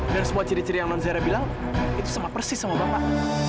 dan semua ciri ciri yang don zera bilang itu sama persis sama bapak